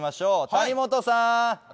谷元さん。